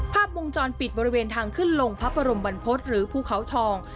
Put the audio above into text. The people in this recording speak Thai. ภาพวงจรปิดบริเวณทางขึ้นลงพระบรมบรรพฤษหรือภูเขาทอง